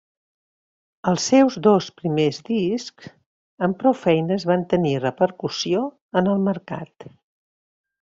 Els seus dos primers discs, amb prou feines van tenir repercussió en el mercat.